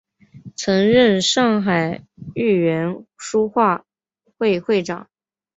曾任上海豫园书画会会长。